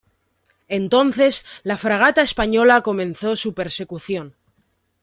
Entonces, la fragata española comenzó su persecución.